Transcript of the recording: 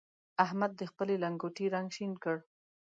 احمد د خپلې لنګوټې رنګ شين کړ.